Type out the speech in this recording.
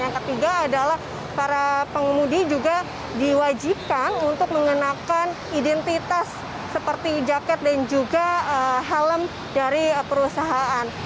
yang ketiga adalah para pengemudi juga diwajibkan untuk mengenakan identitas seperti jaket dan juga helm dari perusahaan